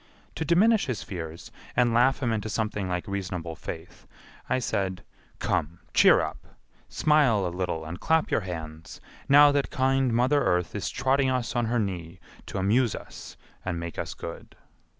To diminish his fears and laugh him into something like reasonable faith, I said, "Come, cheer up; smile a little and clap your hands, now that kind Mother Earth is trotting us on her knee to amuse us and make us good."